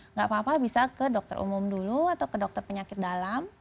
nggak apa apa bisa ke dokter umum dulu atau ke dokter penyakit dalam